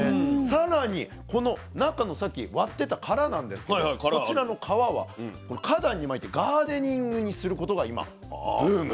さらにこの中のさっき割ってた殻なんですけどこちらの殻は花壇にまいてガーデニングにすることが今ブームだと。